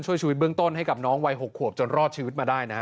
ช่วยชีวิตเบื้องต้นให้กับน้องวัย๖ขวบจนรอดชีวิตมาได้นะฮะ